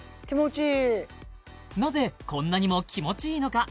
なぜこんなにも気持ちいいのか？